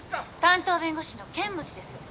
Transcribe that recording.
担当弁護士の剣持です。